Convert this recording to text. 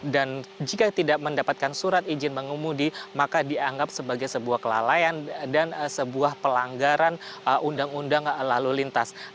dan jika tidak mendapatkan surat izin mengemudi maka dianggap sebagai sebuah kelalaian dan sebuah pelanggaran undang undang lalu lintas